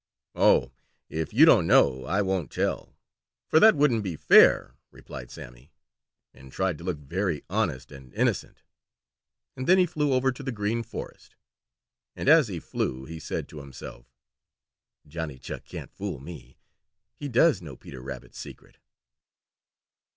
"Oh, if you don't know, I won't tell, for that wouldn't be fair," replied Sammy, and tried to look very honest and innocent, and then he flew over to the Green Forest. And as he flew, he said to himself: "Johnny Chuck can't fool me; he does know Peter Rabbit's secret."